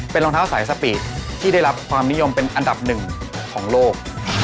เป็นรองเท้าสายสปีดที่ได้รับความนิยมเป็นอันดับหนึ่งของโลก